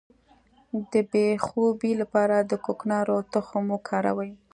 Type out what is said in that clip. د بې خوبۍ لپاره د کوکنارو تخم وکاروئ